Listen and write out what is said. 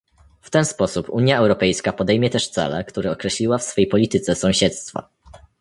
W ten sposób Unia Europejska podejmie też cele, które określiła w swej polityce sąsiedztwa